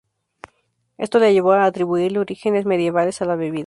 Esto le llevó a atribuirle orígenes medievales a la bebida.